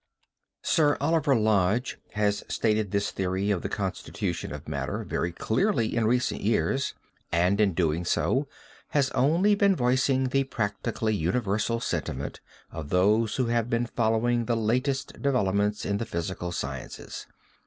Sir Oliver Lodge has stated this theory of the constitution of matter very clearly in recent years, and in doing so has only been voicing the practically universal sentiment of those who have been following the latest developments in the physical sciences.